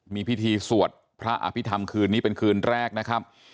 มีพิธีสวดพระอภิษฐรรมคืนนี้เป็นคืนแรกนะครับ